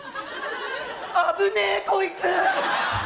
あぶねえこいつ！